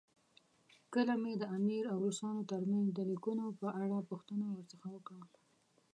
کله مې د امیر او روسانو ترمنځ د لیکونو په اړه پوښتنه ورڅخه وکړه.